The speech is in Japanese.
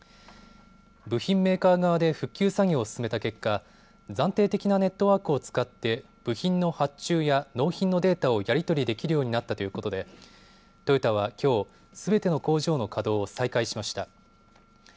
部品メーカー側で復旧作業を進めた結果、暫定的なネットワークを使って部品の発注や納品のデータをやり取りできるようになったということでトヨタはきょうすべての工場の稼働を再開しました。